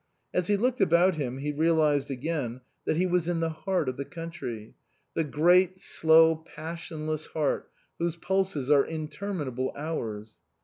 As he looked about him he realized again that he was in the heart of the country, the great, slow, passionless heart whose pulses are interminable hours.